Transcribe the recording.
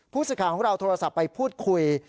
ผู้ศึกาของเราโทรศัพท์ไปพูดคุย